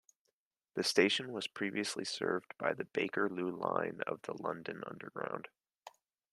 The station was previously served by the Bakerloo line of the London Underground.